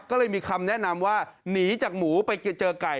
ก็เลยมีคำแนะนำว่าหนีจากหมูไปเจอไก่